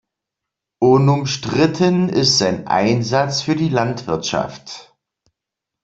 Unumstritten ist sein Einsatz für die Landwirtschaft.